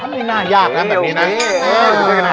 ไม่น่ายากนะแบบนี้นะ